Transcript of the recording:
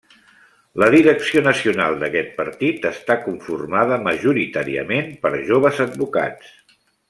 La direcció nacional d'aquest partit està conformada majoritàriament per joves advocats.